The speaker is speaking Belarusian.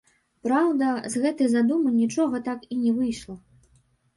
Праўда, з гэтай задумы нічога так і не выйшла.